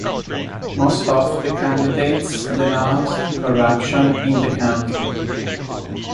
Most of the candidates denounced corruption in the country.